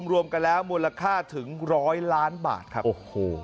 รวมกันแล้วมูลค่าถึง๑๐๐ล้านบาทครับ